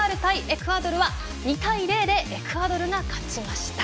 エクアドルは２対０でエクアドルが勝ちました。